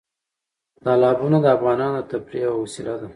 تالابونه د افغانانو د تفریح یوه وسیله ده.